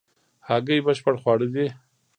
هګۍ بشپړ خواړه دي